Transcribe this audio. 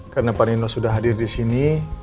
karena pak nino sudah hadir disini